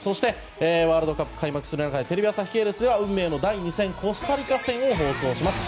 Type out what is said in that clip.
ワールドカップ開幕する中でテレビ朝日系列では運命の第２戦コスタリカ戦を放送します。